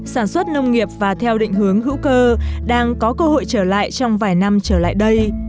sản xuất nông nghiệp và theo định hướng hữu cơ đang có cơ hội trở lại trong vài năm trở lại đây